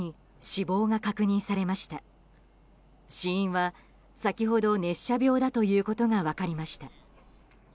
死因は先ほど熱射病だということが分かりました。